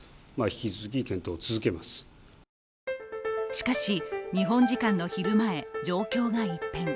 しかし、日本時間の昼前、状況が一変。